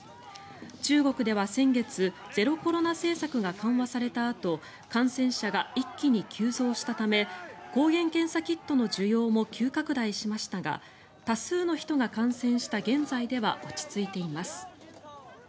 中国では先月ゼロコロナ政策が緩和されたあと感染者が一気に急増したため抗原検査キットの需要も急拡大しましたが多数の人が感染した現在では落ち着いています。